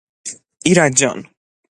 ایرج جان...